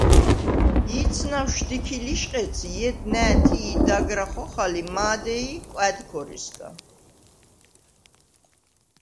ი̄ცნავშ შდიქი ლიშყედს ჲედ ნა̄̈თი̄ დაგრა ხოხალ ი მა̄დეი̄ − კვა̈დ ქორისგა.